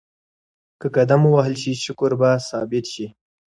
که قدم ووهل شي شکر به ثابت شي.